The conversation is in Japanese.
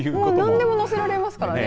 何でも載せられますからね。